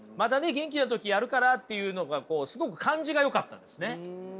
元気な時やるからっていうのがすごく感じがよかったですね。